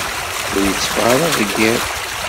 Ur iteffeɣ ara deg yiḍ.